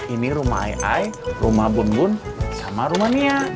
ini rumah ai ai rumah bun bun sama rumah nia